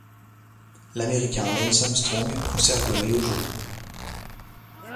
L'Américain Lance Armstrong conserve le maillot jaune.